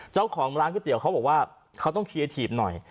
เจ้าของร้านก๋วยเตี๋ยวเขาบอกว่าเขาต้องเคลียร์ถีบหน่อย